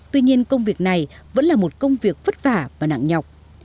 tuy nhiên công việc này vẫn là một công việc vất vả và nặng nhọc